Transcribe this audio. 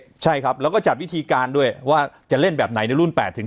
ตั้งแต่เด็กใช่ครับแล้วก็จัดวิธีการด้วยว่าจะเล่นแบบไหนในรุ่นแปดถึง